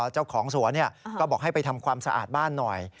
เจ้าของสวนก็บอกให้ไปทำความสะอาดบ้านหน่อย